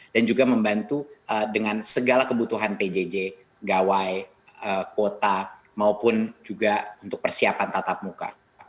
dan juga membantu dengan segala kebutuhan pjj gawai kuota maupun juga untuk persiapan tatap muka